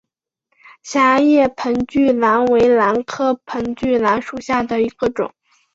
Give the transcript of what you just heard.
狭叶盆距兰为兰科盆距兰属下的一个种。